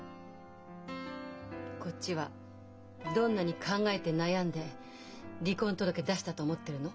こっちはどんなに考えて悩んで離婚届出したと思ってるの？